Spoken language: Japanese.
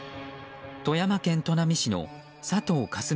富山県砺波市の佐藤果純